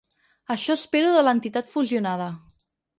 Això espero de l’entitat fusionada.